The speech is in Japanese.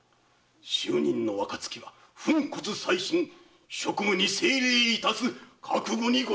就任の暁は粉骨砕身職務に精励いたす覚悟にござりまする。